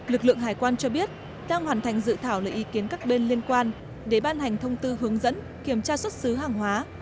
lực lượng hải quan cho biết đang hoàn thành dự thảo lời ý kiến các bên liên quan để ban hành thông tư hướng dẫn kiểm tra xuất xứ hàng hóa